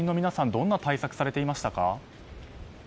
どんな対策をされていましたか。